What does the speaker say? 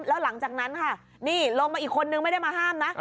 แล้วหลังจากนั้นค่ะนี่ลงมาอีกคนนึงไม่ได้มาห้ามนะ